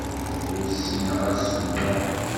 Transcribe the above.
Ur ssineɣ ad ssewweɣ.